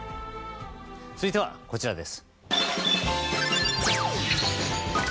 続いては、こちらです。